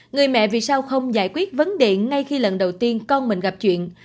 người mẹ vì sao không giải quyết vấn đề ngay khi lần đầu tiên con mình gặp chuyện